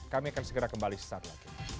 kami akan segera kembali sesaat lagi